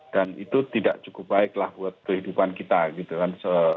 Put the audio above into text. dan itu tidak cukup baiklah buat kehidupan kita gitu kan